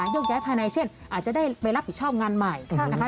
ยกย้ายภายในเช่นอาจจะได้ไปรับผิดชอบงานใหม่นะคะ